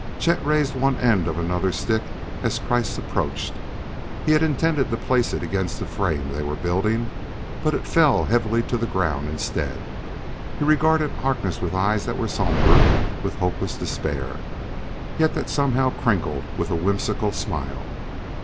Chet had raised one end of another stick as Kreiss approached. He had intended to place it against the frame they were building: it fell heavily to the ground instead. He regarded Harkness with eyes that were somber with hopeless despair, yet that somehow crinkled with a whimsical smile.